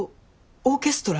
オーケストラ？